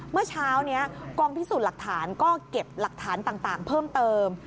เมื่อเช้านี้กองพิสูจน์หลักฐานก็เก็บหลักฐานต่างเพิ่มเติม